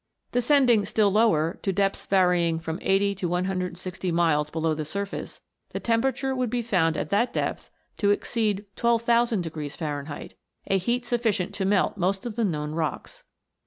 Descending still lower, to depths vary ing from 80 to 160 miles below the surface, the temperature would be found at that depth to exceed 12,000 degrees Fahrenheit a heat sufficient to melt most of the known rocks.